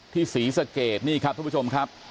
ที่สีสเกบนี่ครับท่านผู้ชมครับ